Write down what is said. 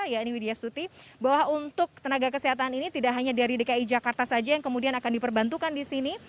ya ini widya stuti bahwa untuk tenaga kesehatan ini tidak hanya dari dki jakarta saja yang kemudian akan diperbantukan di sini